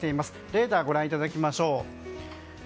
レーダーをご覧いただきましょう。